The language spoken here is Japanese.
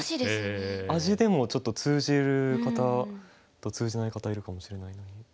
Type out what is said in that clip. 「アジ」でもちょっと通じる方と通じない方いるかもしれないのに。